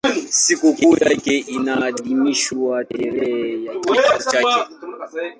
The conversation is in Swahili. Sikukuu yake inaadhimishwa tarehe ya kifo chake.